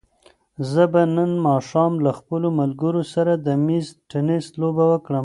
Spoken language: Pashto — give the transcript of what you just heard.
زه به نن ماښام له خپلو ملګرو سره د مېز تېنس لوبه وکړم.